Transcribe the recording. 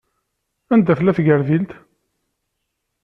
Anda tella tgertilt?